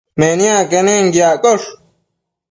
Meniac quenenquiaccosh